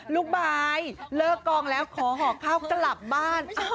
บายเลิกกองแล้วขอห่อข้าวกลับบ้าน